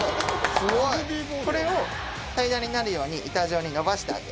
これを平らになるように板状に延ばしてあげる。